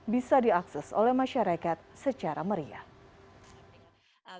bisa diakses oleh masyarakat secara meriah